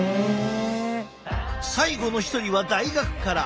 最後の一人は大学から。